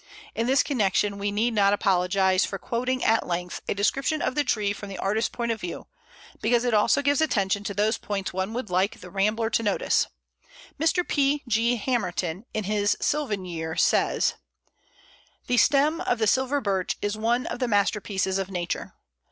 In this connection we need not apologize for quoting at length a description of the tree from the artist's point of view, because it also gives attention to those points one would like the rambler to notice. Mr. P. G. Hamerton in his Sylvan Year, says "The stem ... of the Silver Birch is one of the masterpieces of Nature.